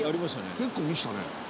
「結構見せたね」